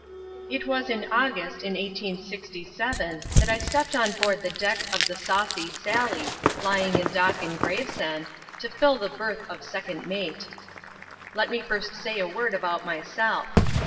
_) It was in August in 1867 that I stepped on board the deck of the Saucy Sally, lying in dock at Gravesend, to fill the berth of second mate. Let me first say a word about myself.